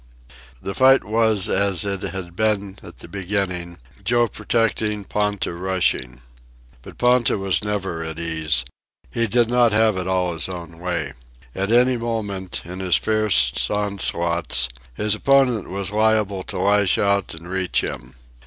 The fight was as it had been at the beginning Joe protecting, Ponta rushing. But Ponta was never at ease. He did not have it all his own way. At any moment, in his fiercest onslaughts, his opponent was liable to lash out and reach him.